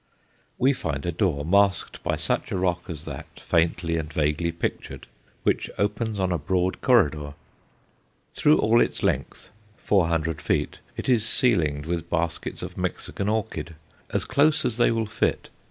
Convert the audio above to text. We find a door masked by such a rock as that faintly and vaguely pictured, which opens on a broad corridor. Through all its length, four hundred feet, it is ceilinged with baskets of Mexican orchid, as close as they will fit.